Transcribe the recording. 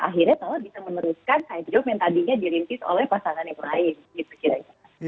akhirnya malah bisa meneruskan side job yang tadinya dilintis oleh pasangannya lain